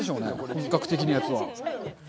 本格的なやつは。